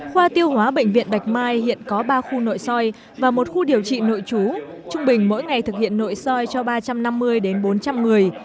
khoa tiêu hóa bệnh viện bạch mai hiện có ba khu nội soi và một khu điều trị nội trú trung bình mỗi ngày thực hiện nội soi cho ba trăm năm mươi đến bốn trăm linh người